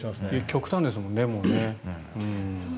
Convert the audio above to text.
極端ですもんね。